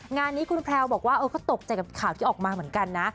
งานนี้คุณแพลวบอกว่าก็ตกใจกับข่าวที่ออกมาเหมือนกันนะ